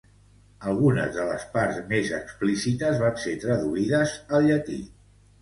Algunes de les parts més explícites van ser traduïdes al llatí.